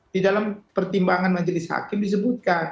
di dalam pertimbangan majelis hakim disebutkan